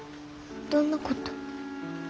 どんなこと？